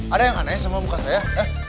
ada yang aneh semua muka saya